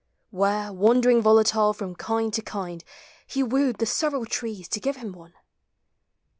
Where, wandering volatile from kind to kind, He wooed the several trees to give him one.